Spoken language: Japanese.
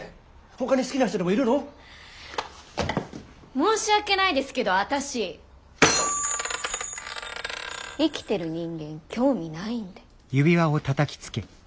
申し訳ないですけど私生きてる人間に興味ないんで。